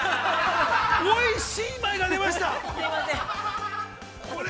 ◆おいしーまいが出ました。